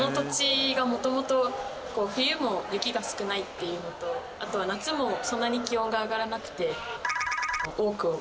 冬も雪が少ないっていうのとあとは夏もそんなに気温が上がらなくて。